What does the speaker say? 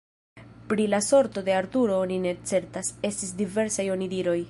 Pri la sorto de Arturo oni ne certas: estis diversaj onidiroj.